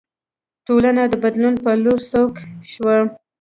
ټولنه د بدلون په لور سوق شوه.